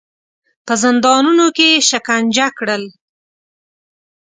په زندانونو کې یې شکنجه کړل.